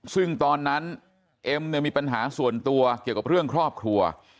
ซึ่งตอนนั้นเอ็มเนี่ยมีปัญหาส่วนตัวเกี่ยวกับเรื่องครอบครัว